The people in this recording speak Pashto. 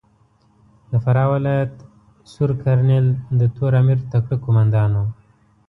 د فراه ولایت سور کرنېل د تور امیر تکړه کومندان ؤ.